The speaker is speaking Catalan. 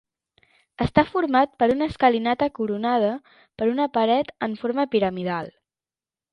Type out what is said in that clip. Està format per una escalinata coronada per una paret en forma piramidal.